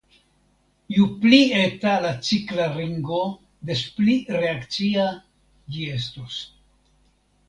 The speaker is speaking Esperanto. Ju pli eta la cikla ringo des pli reakcia ĝi estos.